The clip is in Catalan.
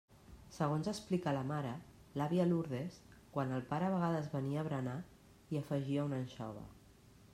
Segons explica la mare, l'àvia Lourdes, quan el pare a vegades venia a berenar, hi afegia una anxova.